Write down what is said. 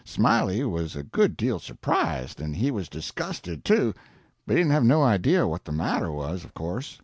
Smiley was a good deal surprised, and he was disgusted too, but he didn't have no idea what the matter was of course.